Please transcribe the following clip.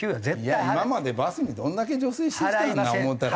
いや今までバスにどんだけ助成してきたんだ思うたら。